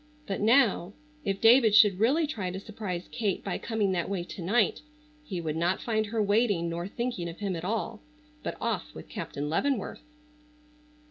But now, if David should really try to surprise Kate by coming that way to night he would not find her waiting nor thinking of him at all, but off with Captain Leavenworth.